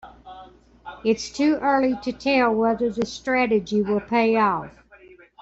Its too early to tell whether the strategy will pay off.